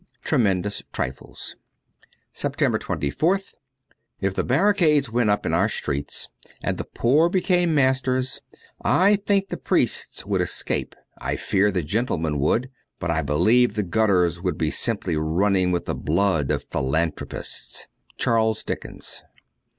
' Tremendous Trifles. ' 296 SEPTEMBER 24th IF the barricades went up in our streets and the poor became masters, I think the priests would escape, I fear the gentlemen, would ; but I believe the gutters would be simply running with the blood of philanthropists. ' Charles Dickens.'